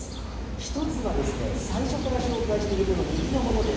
１つが最初から紹介しているこの右のものです。